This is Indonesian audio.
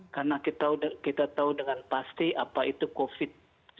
karena kita tahu dengan pasti apa itu covid sembilan belas